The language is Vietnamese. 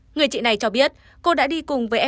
người chị này cho biết cô đã đi cùng với diễm my